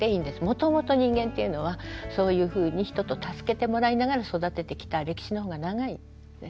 もともと人間っていうのはそういうふうに人と助けてもらいながら育ててきた歴史のほうが長いんですね。